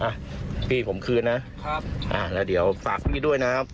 อ่ะพี่ผมคืนนะครับอ่าแล้วเดี๋ยวฝากพี่ด้วยนะครับ